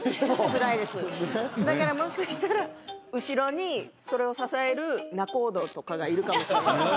つらいですだからもしかしたら後ろにそれを支える仲人とかがいるかもしれないです